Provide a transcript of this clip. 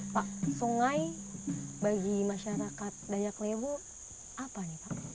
pak sungai bagi masyarakat dayak lewu apa nih pak